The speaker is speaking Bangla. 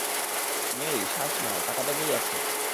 মেই, শ্বাস নাও, টাকা ব্যাগেই আছে।